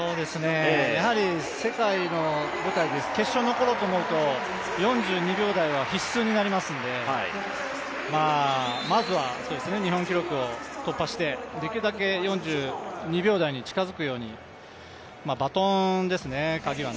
やはり世界の舞台で決勝残ろうと思うと４２秒台は必須になりますので、まずは日本記録を突破してできるだけ４２秒台に近づくようにバトンですね、カギは。